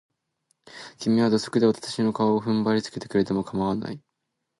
君は土足で私の顔を踏んづけてくれても構わない。